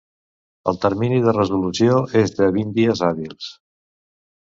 El termini de resolució és de vint dies hàbils.